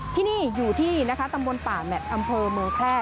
ที่นี่อยู่ที่ตำรวจป่าแม่นอำเภอเมืองแพร่